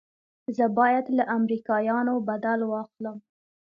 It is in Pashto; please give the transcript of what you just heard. زه بايد له امريکايانو بدل واخلم.